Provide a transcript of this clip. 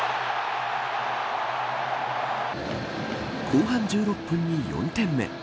後半１６分に４点目。